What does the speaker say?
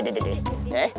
aduh aduh aduh